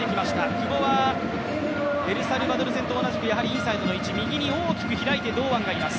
久保はエルサルバドル戦と同じくやはりインサイドの位置右に大きく開いて堂安がいます。